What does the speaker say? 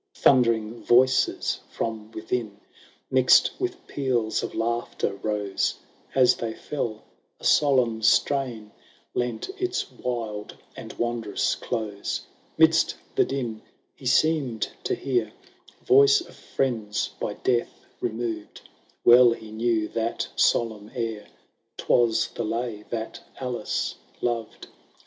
Thundering voices from within, Mixed with peals of laughter, rose ; As they fell, a solemn strain Lent its wild and wondrous close ! 'Midst the din, he seemed to hear Voice of friends, by death removed ;— Well he knew that solemn air, 'Twas the lay that Alice loved.